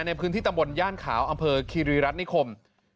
ในพื้นที่ตำบลย่านขาวอำเภอคีรีรัฐนิคม